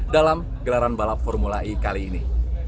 dalam gelaran balap formula e kali ini